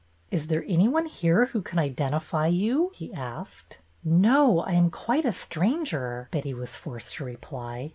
Is there any one here who can identify you? " he asked. " No, I am quite a stranger," Betty was forced to reply.